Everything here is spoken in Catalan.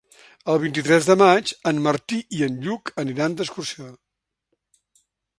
El vint-i-tres de maig en Martí i en Lluc aniran d'excursió.